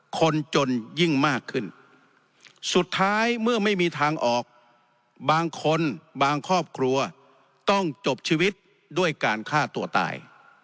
คนจนยิ่งมากขึ้นสุดท้ายเมื่อไม่มีทางออกบางคนบางครอบครัวต้องจบชีวิตด้วยการฆ่าตัวตาย